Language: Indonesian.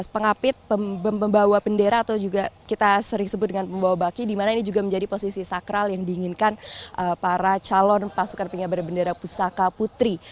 pengapit pembawa bendera atau juga kita sering sebut dengan pembawa baki di mana ini juga menjadi posisi sakral yang diinginkan para calon pasukan pengibar bendera pusaka putri